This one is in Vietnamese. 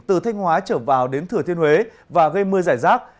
từ thanh hóa trở vào đến thừa thiên huế và gây mưa giải rác